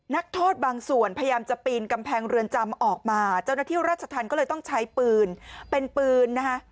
นักโทษบางส่วนพยายามจะปีนกำแพงเรือนจำออกมาเจ้าหน้าที่ราชธรรมก็เลยต้องใช้ปืนเป็นปืนนะคะ